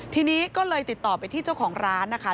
ทีนี้ก็เลยติดต่อไปที่เจ้าของร้านนะคะ